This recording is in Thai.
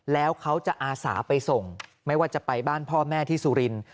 แล้วเขาจะอาสาไปส่งไม่ว่าจะไปบ้านพ่อแม่ที่สุรินทร์